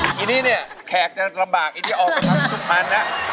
อันนี้เนี่ยแขกจะลำบากอันนี้ออกมาทำสุขภัณฑ์นะ